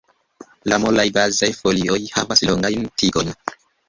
La molaj bazaj folioj havas longajn tigojn.